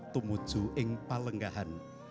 tumuju eng palenggahan